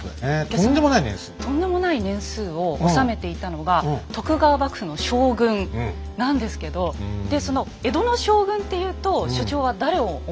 とんでもない年数を治めていたのが徳川幕府の将軍なんですけどでその江戸の将軍っていうと所長は誰を思い浮かべますか真っ先に。